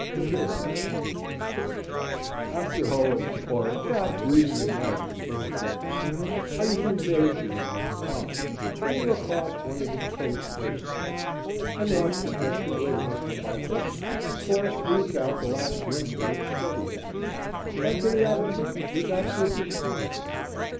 The Village After hoeing, or perhaps reading and writing, in the forenoon, I usually bathed again in the pond, swimming across one of its coves for a stint, and washed the dust of labor from my person, or smoothed out the last wrinkle which study had made, and for the afternoon was absolutely free.